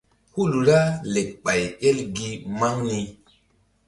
Hul ra lek ɓay el gi maŋ ni.